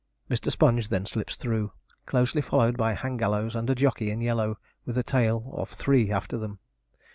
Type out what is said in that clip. Mr. Sponge then slips through, closely followed by Hangallows and a jockey in yellow, with a tail of three after them.